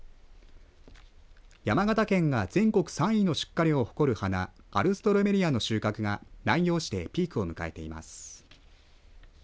山形県が全国３位の出荷量を誇る花アルストロメリアの収穫が南陽市でピークを迎えています。